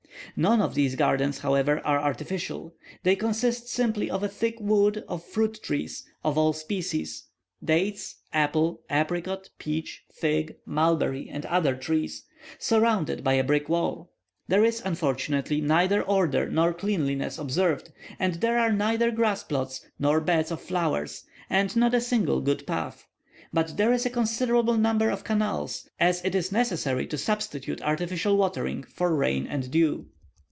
None of these gardens, however, are artificial; they consist simply of a thick wood of fruit trees, of all species (dates, apple, apricot, peach, fig, mulberry, and other trees), surrounded by a brick wall. There is, unfortunately, neither order nor cleanliness observed, and there are neither grass plots nor beds of flowers, and not a single good path; but there is a considerable number of canals, as it is necessary to substitute artificial watering for rain and dew.